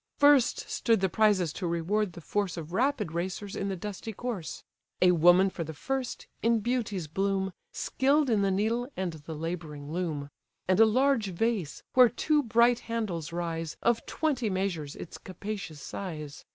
First stood the prizes to reward the force Of rapid racers in the dusty course: A woman for the first, in beauty's bloom, Skill'd in the needle, and the labouring loom; And a large vase, where two bright handles rise, Of twenty measures its capacious size.